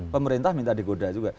pemerintah minta digoda juga